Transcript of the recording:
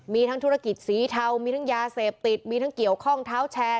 มีทั้งธุรกิจสีเทามีทั้งยาเสพติดมีทั้งเกี่ยวข้องเท้าแชร์